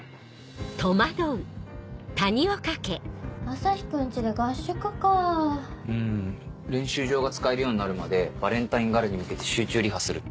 ・朝陽君家で合宿かぁ・うん練習場が使えるようになるまでバレンタイン・ガラに向けて集中リハするって。